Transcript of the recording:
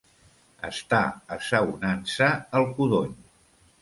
Estar assaonant-se el codony.